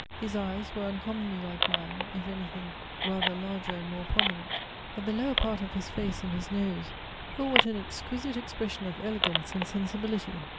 His eyes were uncommonly like mine, if anything, rather larger and more prominent. But the lower part of his face and his nose O what an exquisite expression of elegance and sensibility!